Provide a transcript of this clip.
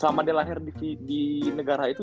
selama dia lahir di negara itu